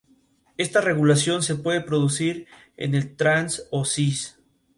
En una ocasión comando un buque de la Compañía Británica de las Indias Orientales.